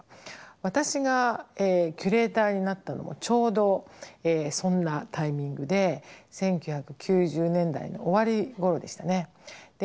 私がキュレーターになったのもちょうどそんなタイミングで１９９０年代の終わりごろでしたね。